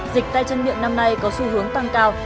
dịch tay chân miệng năm nay có xu hướng tăng cao